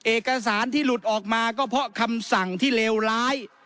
เอกสารที่หลุดออกมาก็เพราะคำสั่งที่เลวร้าย